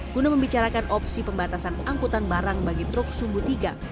guna membicarakan opsi pembatasan angkutan barang bagi truk sumbu tiga